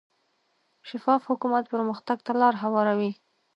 شفاف حکومت پرمختګ ته لار هواروي.